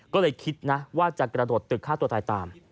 ก็เลยคิดนะว่าจะกระโดดตึกฆ่าตัวตายตาม